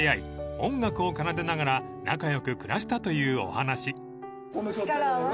音楽を奏でながら仲良く暮らしたというお話］